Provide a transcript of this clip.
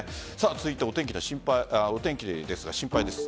続いてはお天気ですが心配です。